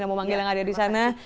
yang mau manggil yang ada di sana